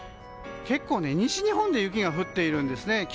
結構、西日本で雪が降っているんですね。